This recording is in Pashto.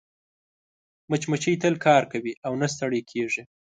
مچمچۍ تل کار کوي او نه ستړې کېږي